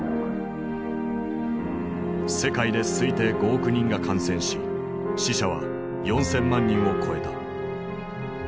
世界で推定５億人が感染し死者は４，０００万人を超えた。